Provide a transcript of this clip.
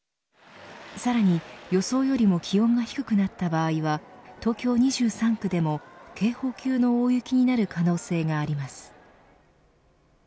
さらに、予想よりも気温が低くなった場合は東京２３区でも警報級の大雪になる可能性があります。